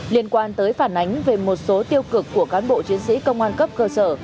liên quan tới phản ánh về một số tiêu cực của cán bộ chiến sĩ công an cấp cơ sở